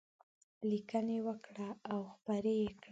لیکنې وکړه او خپرې یې کړه.